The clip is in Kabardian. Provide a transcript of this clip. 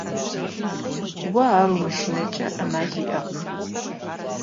Уэ ар умыщӀэнкӀэ Ӏэмал иӀакъым.